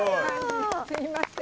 すいません。